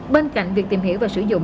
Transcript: bên cạnh việc tìm hiểu và sử dụng